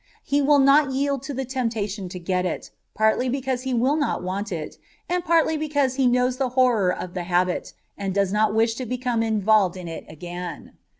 He will not yield to the temptation to get it, partly because he will not want it, and partly because he knows the horror of the habit and does not wish to become involved in it again.